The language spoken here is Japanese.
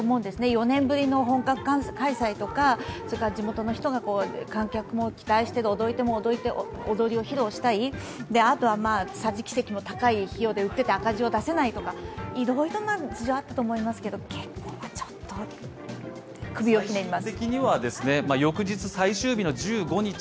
４年ぶりの本格開催とか地元の人が観客も期待して踊り手も踊りを披露したい、あとはさじき席も高い、赤字を出せないとかいろいろな事情があったと思いますけど、決行はちょっと首をひねります。